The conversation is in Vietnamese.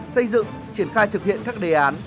xây dựng triển khai thực hiện các đề án